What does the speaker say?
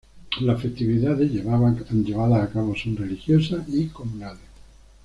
Las festividades llevadas a cabo son religiosas y comunales.